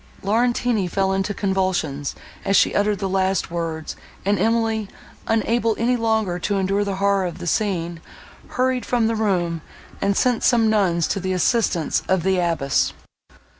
Laurentini fell into convulsions, as she uttered the last words; and Emily, unable any longer to endure the horror of the scene, hurried from the room, and sent some nuns to the assistance of the abbess.